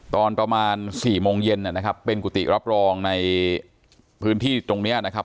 ตอนประมาณ๔โมงเย็นนะครับเป็นกุฏิรับรองในพื้นที่ตรงนี้นะครับ